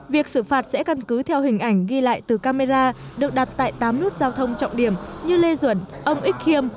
việc xử phạt sẽ căn cứ theo hình ảnh ghi lại từ camera được đặt tại tám nút giao thông trọng điểm như lê duẩn ông ích khiêm